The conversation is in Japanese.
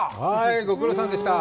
ご苦労さまでした。